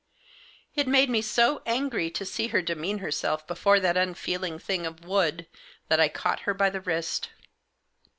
It made me so angry to see her demean herself before that unfeeling thing of wood, that I caught her by the wrist.